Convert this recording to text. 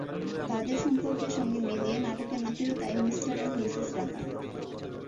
তাঁদের সম্পর্কের সঙ্গে মিলিয়ে নাটকের নামটিও তাই মিস্টার অ্যান্ড মিসেস রাখা।